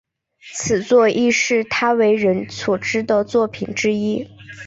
此作亦是他为人所知的作品之一。